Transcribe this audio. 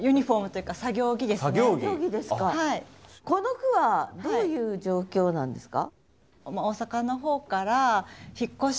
この句はどういう状況なんですか？